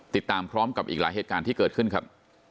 ติดตามพร้อมกับอีกหลายเหตุการณ์ที่เกิดขึ้นครับ